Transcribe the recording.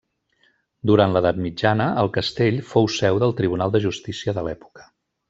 Durant l'edat mitjana, el castell fou seu del tribunal de justícia de l'època.